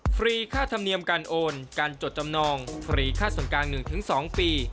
ฟรีค่าธรรมเนียมการโอนการจดจำนองฟรีค่าส่วนกลาง๑๒ปี